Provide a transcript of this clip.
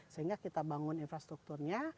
sehingga kita bangun infrastrukturnya